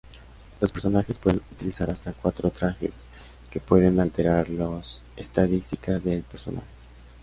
Los personajes pueden utilizar hasta cuatro trajes, que pueden alterar las estadísticas del personaje.